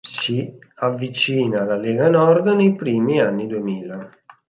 Si avvicina alla Lega Nord nei primi anni duemila.